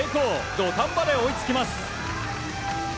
土壇場で追いつきます。